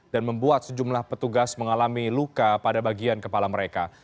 membuat sejumlah petugas mengalami luka pada bagian kepala mereka